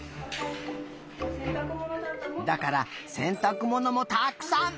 だからせんたくものもたくさん。